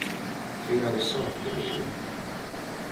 She had a soft demeanour.